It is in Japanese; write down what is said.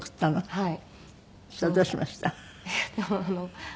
はい。